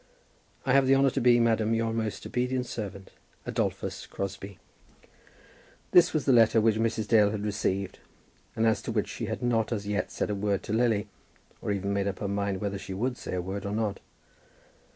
I have the honour to be, Madam, Your most obedient servant, ADOLPHUS CROSBIE. This was the letter which Mrs. Dale had received, and as to which she had not as yet said a word to Lily, or even made up her mind whether she would say a word or not.